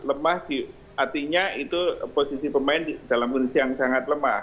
lemah artinya itu posisi pemain dalam kondisi yang sangat lemah